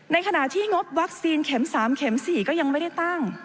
ในขณะที่งบวัคซีนเข็ม๓เข็ม๔ก็ยังไม่ได้ตั้ง